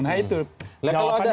nah itu jawabannya di situ